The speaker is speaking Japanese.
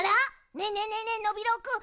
ねえねえねえねえノビローくん。